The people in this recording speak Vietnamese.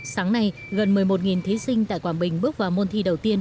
sáng nay gần một mươi một thí sinh tại quảng bình bước vào môn thi đầu tiên